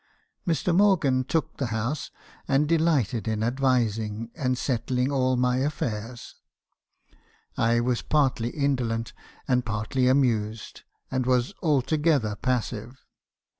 Mr. Morgan took the house, and delighted in ad vising, and settling all my affairs. I was partly indolent, and partly amused, and was altogether passive.